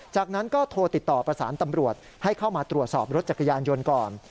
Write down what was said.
จากนั้นก็โทรติดต่อประสานตำรวจให้เข้ามาตรวจสอบรถจักรยานยนต์ก่อน